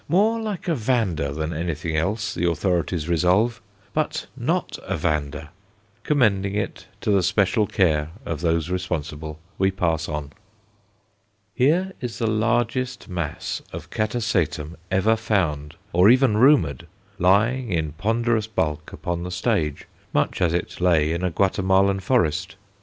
More like a Vanda than anything else, the authorities resolve, but not a Vanda! Commending it to the special care of those responsible, we pass on. Here is the largest mass of Catasetum ever found, or even rumoured, lying in ponderous bulk upon the stage, much as it lay in a Guatemalan forest.